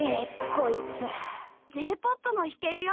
こいつＪポップも弾けるよ。